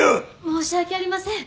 申し訳ありません。